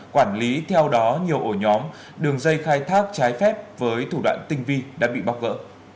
quản lý theo đó nhiều ổ nhóm đường dây khai thác trái phép với thủ đoạn tinh vi đã bị bóc gỡ